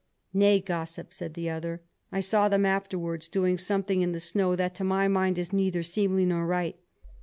"Nay, gossip," said the other, "I saw them afterwards doing something in the snow that to my mind is neither seemly nor right."